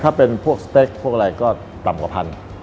ถ้าเป็นพวกสเต็กพวกอะไรก็ต่ำกว่าพัน